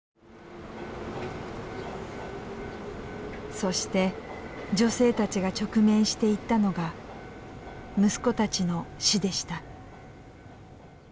そして女性たちが直面していったのが息子たちの死でした。